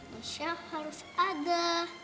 posnya harus ada